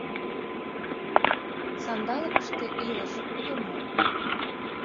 — Сандалыкыште илыш уло мо?